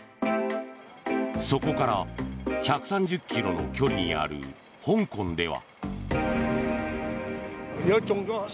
そこから１３０ｋｍの距離にある香港では。